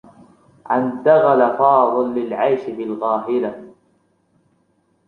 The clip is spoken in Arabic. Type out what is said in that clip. انتقل فاضل للعيش في القاهرة.